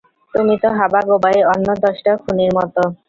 তুমি তো হাবাগোবাই, অন্য দশটা খুনির মতো।